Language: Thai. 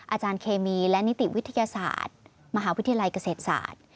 อาจารย์เคมีและนิติวิทยาศาสตร์มหาวิทยาลัยเกษตรศาสตร์